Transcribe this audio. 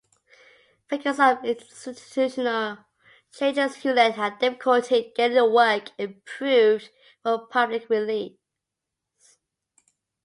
Because of institutional changes, Hewlett had difficulty getting the work approved for public release.